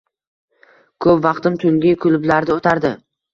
Ko‘p vaqtim tungi klublarda o‘tardi